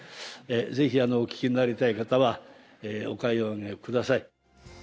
ぜひお聴きになりたい方はお買い上げください。